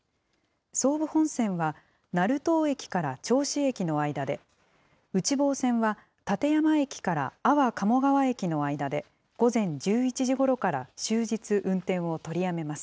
総武本線は成東駅から銚子駅の間で、内房線は館山駅から安房鴨川駅の間で、午前１１時ごろから終日運転を取りやめます。